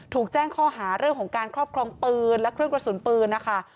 ถูกแจ้งข้อหาเรื่องของการครอบครองปืนและเครื่องกระสุนปืนนะคะ